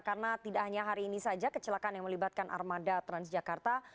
karena tidak hanya hari ini saja kecelakaan yang melibatkan armada transjakarta